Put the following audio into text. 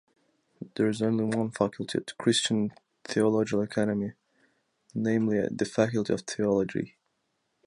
There's only one faculty at the Christian Theological Academy, namely, the Faculty of Theology.